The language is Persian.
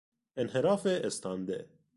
انحراف استانده